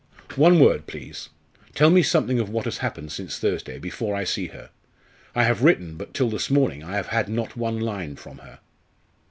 "One word, please. Tell me something of what has happened since Thursday, before I see her. I have written but till this morning I have had not one line from her."